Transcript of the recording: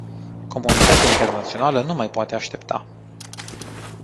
Comunitatea internațională nu mai poate aștepta.